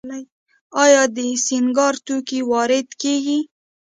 آیا د سینګار توکي وارد کیږي؟